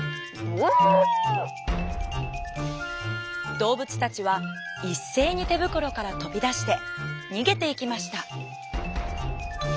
どうぶつたちはいっせいにてぶくろからとびだしてにげていきました。